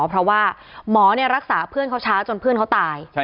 เพราะว่าหมอรักษาเพื่อนเขาช้าจนเพื่อนเขาตาย